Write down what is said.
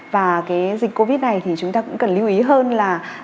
và cái dịch covid này thì chúng ta cũng cần lưu ý hơn là